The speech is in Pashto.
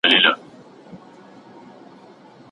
فعال ژوند غوره کړئ.